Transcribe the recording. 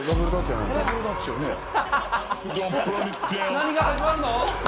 何が始まるの？